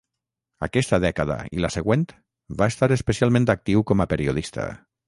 Aquesta dècada i la següent va estar especialment actiu com a periodista.